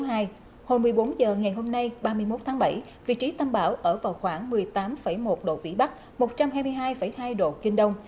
hồi một mươi bốn h ngày hôm nay ba mươi một tháng bảy vị trí tâm bão ở vào khoảng một mươi tám một độ vĩ bắc một trăm hai mươi hai hai độ kinh đông